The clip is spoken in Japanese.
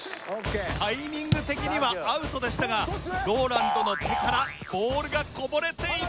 タイミング的にはアウトでしたがＲＯＬＡＮＤの手からボールがこぼれていました。